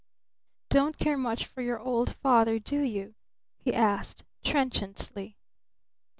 "Don't care much for your old father, do you?" he asked trenchantly.